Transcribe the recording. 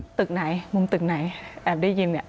มุมตึกไหนมุมตึกไหนแอบได้ยิน